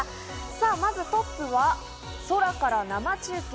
さぁまずトップは空から生中継。